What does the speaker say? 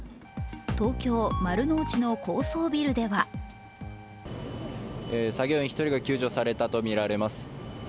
東京・丸の内の高層ビルでは作業員１人が救助されたとみられます。